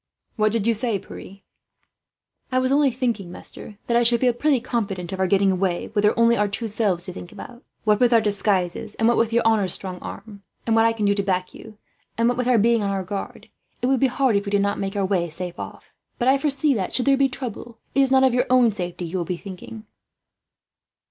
"What do you say, Pierre?" "I was only saying, master, that I should feel pretty confident of our getting away, were there only our two selves to think of. What with our disguises, and what with your honour's strong arm and what I can do to back you and what with our being on our guard, it would be hard if we did not make our way safe off. But I foresee that, should there be trouble, it is not of your own safety you will be thinking."